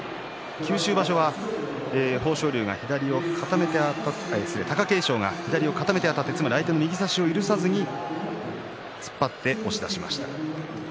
九州場所は貴景勝が左を固めてあたって相手の右差しを許さずに突っ張って押し出しました。